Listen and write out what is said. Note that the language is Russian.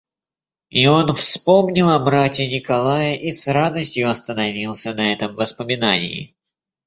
И он вспомнил о брате Николае и с радостью остановился на этом воспоминании.